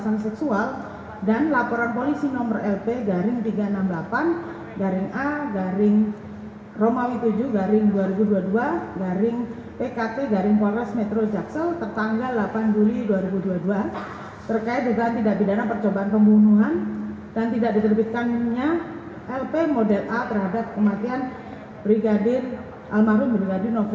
agar pulih situasi mentalnya dan dapat memberikan kemampuan untuk memperbaiki kemampuan penyelidikan dan penyelidikan